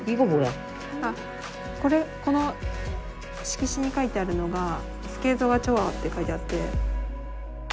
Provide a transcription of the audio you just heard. この色紙に書いてあるのがスケートがチョアって書いてあって。